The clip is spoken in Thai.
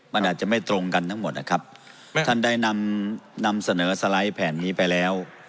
มันอาจจะไม่ตรงกันทั้งหมดนะครับท่านได้นำนำเสนอสไลด์แผ่นนี้ไปแล้ว